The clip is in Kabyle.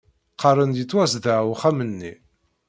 Qqaren-d yettwazdeɣ uxxam-nni.